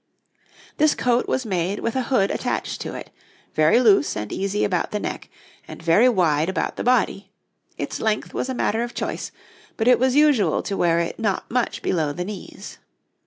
This coat was made with a hood attached to it, very loose and easy about the neck and very wide about the body; its length was a matter of choice, but it was usual to wear it not much below the knees.